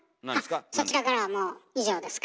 あっそちらからはもう以上ですか。